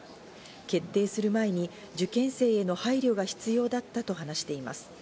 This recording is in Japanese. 決定する前に受験生への配慮が必要だったと話しています。